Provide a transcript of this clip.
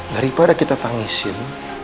daripada kita tangisin